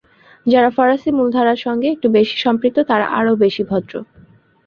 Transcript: যারা ফরাসি মূলধারার সঙ্গে একটু বেশি সম্পৃক্ত তারা আরও বেশি ভদ্র।